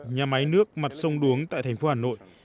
nhà máy nước mặt sông đuống tại thành phố hà nội